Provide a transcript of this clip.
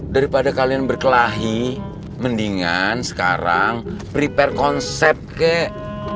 daripada kalian berkelahi mendingan sekarang prepare konsep kek